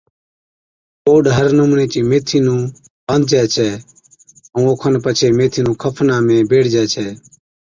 گوڏ ھر نمُوني چِي ميٿي نُون ٻانڌجَي ڇَي ائُون اوکن پڇي ميٿي نُون کفنا ۾ ٻيڙجي ڇَي